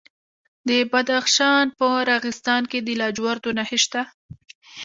د بدخشان په راغستان کې د لاجوردو نښې شته.